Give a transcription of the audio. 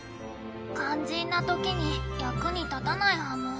肝心なときに役に立たないはむぅ。